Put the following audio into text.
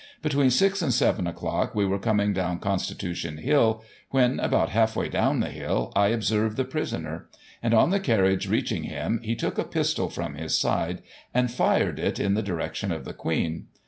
Between 6 and 7 o'clock, we were coming down Constitution Hill, when, about halfway down the Hill, I observed the prisoner ; and, on the carriage reaching him, he took a pistol from his side, and fixed it in the direction of the Queen.